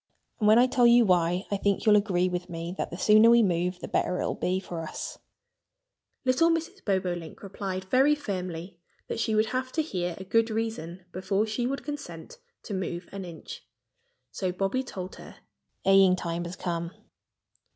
And when I tell you why, I think you'll agree with me that the sooner we move the better it will be for us." Little Mrs. Bobolink replied very firmly that she would have to hear a good reason before she would consent to move an inch. So Bobby told her. "Haying time has come!"